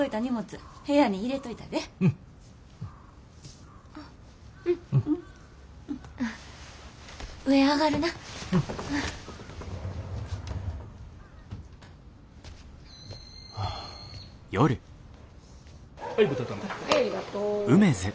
・はいありがとう。